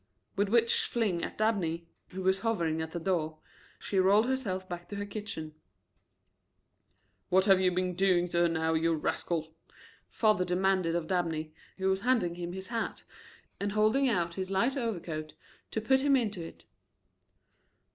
With which fling at Dabney who was hovering at the door she rolled herself back to her kitchen. "What have you been doing to her now, you rascal?" father demanded of Dabney, who was handing him his hat and holding out his light overcoat to put him into it.